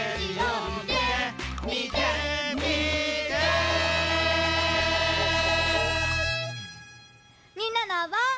みんなのおうぼを。